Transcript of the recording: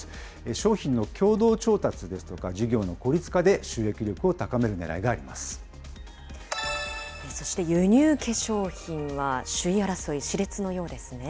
商品の共同調達ですとか、事業の効率化で収益力を高めるねらいがそして、輸入化粧品は首位争い、しれつのようですね。